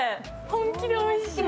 本気でおいしい。